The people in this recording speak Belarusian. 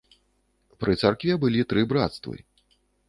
Пры царкве былі тры брацтвы.